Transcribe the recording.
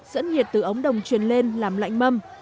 dẫn nhiệt từ ống đồng truyền lên làm lạnh mâm